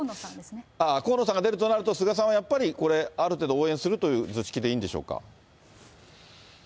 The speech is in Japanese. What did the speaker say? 河野さんが出るとなると、菅さんはやっぱり、これ、ある程度応援するという図式でいいんでしょうか。